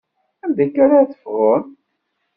Anda akka ara teffɣem?